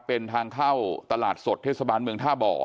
เป็นทางเข้าตลาดสดเทศบาลเมืองท่าบ่อ